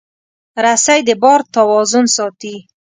رسۍ د بار توازن ساتي.